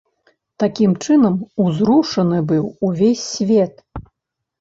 Такім чынам, узрушаны быў увесь свет.